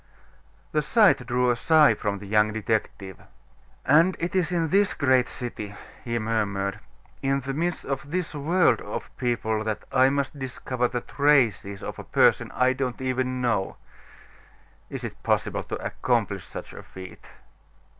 The sight drew a sigh from the young detective. "And it is in this great city," he murmured, "in the midst of this world of people that I must discover the traces of a person I don't even know! Is it possible to accomplish such a feat?"